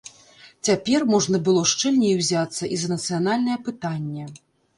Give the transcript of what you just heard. Цяпер можна было шчыльней узяцца і за нацыянальнае пытанне.